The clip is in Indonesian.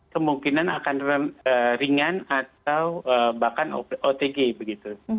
kemungkinan akan ringan atau bahkan otg begitu